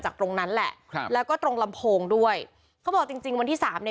ตรงนั้นแหละครับแล้วก็ตรงลำโพงด้วยเขาบอกจริงจริงวันที่สามเนี้ย